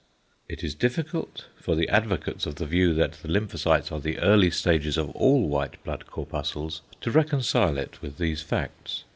It is difficult for the advocates of the view that the lymphocytes are the early stages of all white blood corpuscles to reconcile it with these facts.